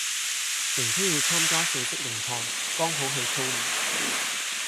明天要參加四式泳賽剛好去操練